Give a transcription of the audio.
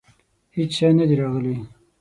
هیڅ شی نه دي راغلي.